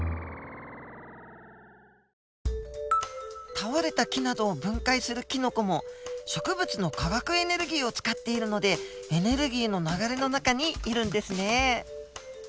倒れた木などを分解するキノコも植物の化学エネルギーを使っているのでエネルギーの流れの中にいるんですね。